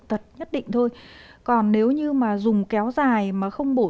ăn ít hơn đúng không ạ